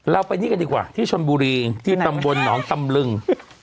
เราไปนี่กันดีกว่าที่ชนบุรีที่ตำบลหนองตำลึง